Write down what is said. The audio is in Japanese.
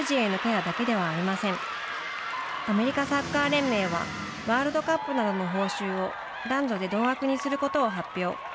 アメリカサッカー連盟はワールドカップなどの報酬を男女で同額にすることを発表。